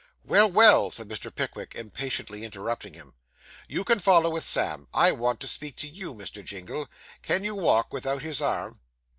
'Well, well,' said Mr. Pickwick, impatiently interrupting him, 'you can follow with Sam. I want to speak to you, Mr. Jingle. Can you walk without his arm?